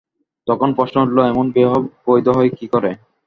তখন প্রশ্ন উঠল, এমন বিবাহ বৈধ হয় কী করে।